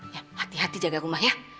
ya hati hati jaga rumah ya